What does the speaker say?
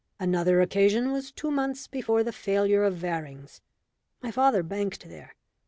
Another occasion was two months before the failure of Varings'. My father banked there.